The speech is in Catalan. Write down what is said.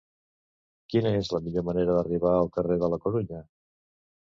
Quina és la millor manera d'arribar al carrer de la Corunya?